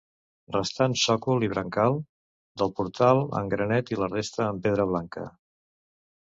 Restant sòcol i brancal del portal en granet i la resta en pedra blanca.